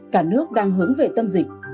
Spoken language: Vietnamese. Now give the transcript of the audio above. cả nước đang hướng về tâm dịch